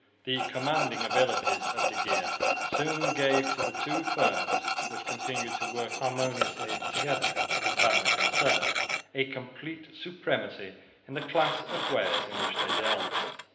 The commanding abilities of de Geer soon gave to the two firms, which continued to work harmoniously together as a family concern, a complete supremacy in the class of wares in which they dealt.